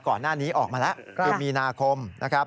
ก่อนหน้านี้ออกมาแล้วคือมีนาคมนะครับ